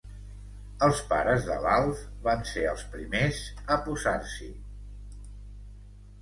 Els pares de l'Alf van ser els primers a posar-s'hi.